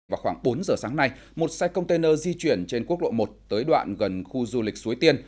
vào khoảng bốn giờ sáng nay một xe container di chuyển trên quốc lộ một tới đoạn gần khu du lịch suối tiên